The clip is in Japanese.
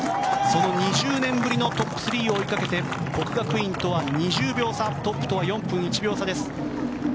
その２０年ぶりのトップ３を追いかけて國學院とは２０秒差トップとは４分２１秒差です。